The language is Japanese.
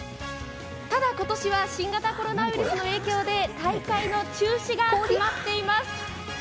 ただ今年は新型コロナウイルスの影響で大会の中止が決まっています。